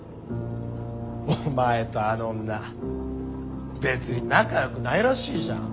お前とあの女別に仲よくないらしいじゃん。